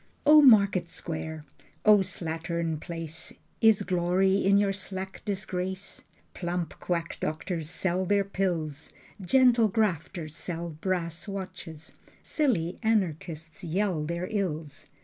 O market square, O slattern place, Is glory in your slack disgrace? Plump quack doctors sell their pills, Gentle grafters sell brass watches, Silly anarchists yell their ills.